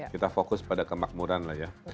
kita fokus pada kemakmuran lah ya